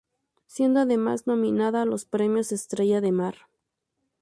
Siendo además nominada a los premios Estrella de Mar.